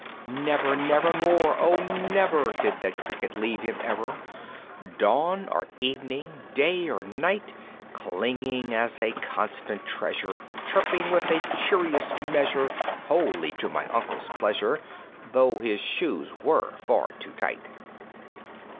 V. Never never more, oh! never, Did that Cricket leave him ever, Dawn or evening, day or night; Clinging as a constant treasure, Chirping with a cheerious measure, Wholly to my uncle's pleasure (Though his shoes were far too tight).